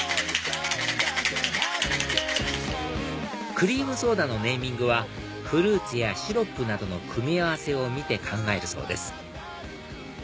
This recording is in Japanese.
クリームソーダのネーミングはフルーツやシロップなどの組み合わせを見て考えるそうです